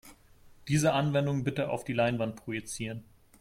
Diese Anwendung bitte auf die Leinwand projizieren.